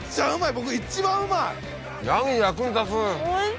僕一番うまい！